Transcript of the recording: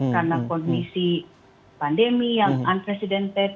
karena kondisi pandemi yang unprecedented